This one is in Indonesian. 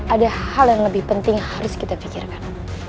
ada hal yang lebih penting harus kita pikirkan